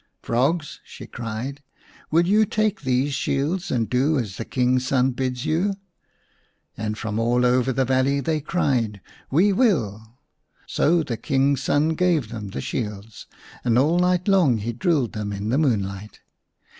"Frogs!" she cried, "will you take these shields and do as the King's son bids you ?" And from all over the valley they cried, " We will !" So the King's son gave them the shields, and all night long he drilled them in the moonlight.